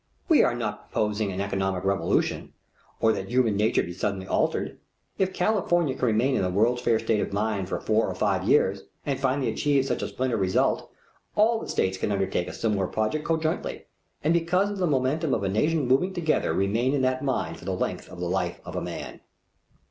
We are not proposing an economic revolution, or that human nature be suddenly altered. If California can remain in the World's Fair state of mind for four or five years, and finally achieve such a splendid result, all the states can undertake a similar project conjointly, and because of the momentum of a nation moving together, remain in that mind for the length of the life of a man.